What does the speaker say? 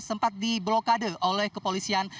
sempat diblokade oleh kepolisian